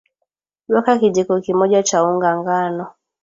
weka kijiko kimoja cha unga ngano